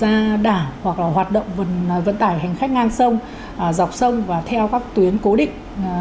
các tuyến đường thủy du lịch từ bờ ra đảo hoặc là hoạt động vận tải hành khách ngang sông dọc sông và theo các tuyến cố định